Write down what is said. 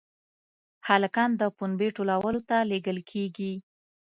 هلکان د پنبې ټولولو ته لېږل کېږي.